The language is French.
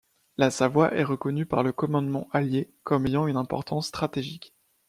La Savoie est reconnue par le commandement allié comme ayant une importance stratégique.